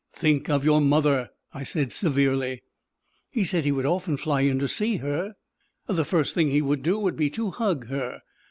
"Think of your mother," I said severely. He said he would often fly in to see her. The first thing he would do would be to hug her.